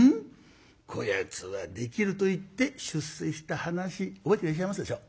こやつはできる」と言って出世した話覚えていらっしゃいますでしょ？